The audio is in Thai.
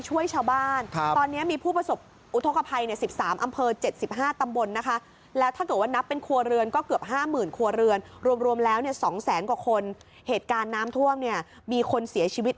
รวมแล้ว๒แสนกว่าคนเหตุการณ์น้ำท่วมเนี่ยมีคนเสียชีวิต